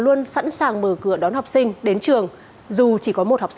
luôn sẵn sàng mở cửa đón học sinh đến trường dù chỉ có một học sinh